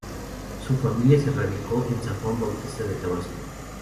Su familia se radicó en San Juan Bautista de Tabasco.